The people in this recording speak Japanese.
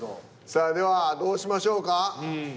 さあではどうしましょうか？